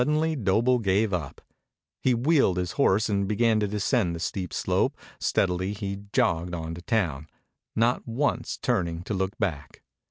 Suddenly Doble gave up. He wheeled his horse and began to descend the steep slope. Steadily he jogged on to town, not once turning to look back.